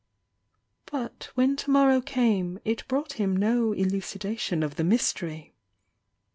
But when to morrow cam?, it brought him no elu cidation of the mystery.